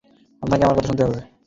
আপনাকে আমার কথা শুনতেই হবে!